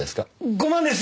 ５万です！